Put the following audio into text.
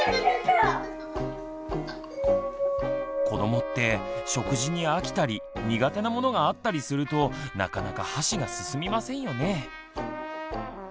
子どもって食事に飽きたり苦手なものがあったりするとなかなか箸が進みませんよね。